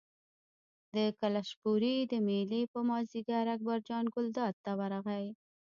د کلشپورې د مېلې په مازدیګر اکبرجان ګلداد ته ورغی.